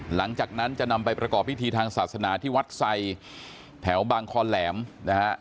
หลังจากนั้นจะนำไปประกอบพิธีทางศาสนาที่วัดไซแถวบางคอแหลมนะฮะ